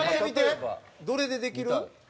どれでできる？